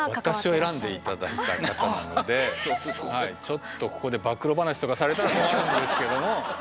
私を選んで頂いた方なのでちょっとここで暴露話とかされたら困るんですけども。